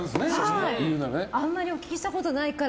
あんまりお聞きしたことないから。